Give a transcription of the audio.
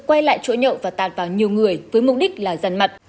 quay lại chỗ nhậu và tạt vào nhiều người với mục đích là giàn mặt